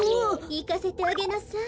いかせてあげなさい。